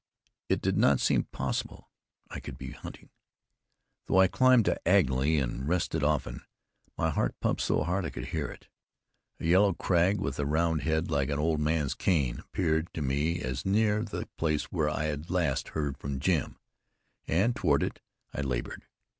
It did not seem possible I could be hunting. Though I climbed diagonally, and rested often, my heart pumped so hard I could hear it. A yellow crag, with a round head like an old man's cane, appealed to me as near the place where I last heard from Jim, and toward it I labored.